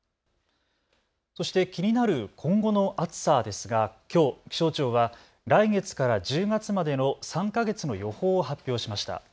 そして気になる今後の暑さですがきょう気象庁は来月から１０月までの３か月の予報を発表しました。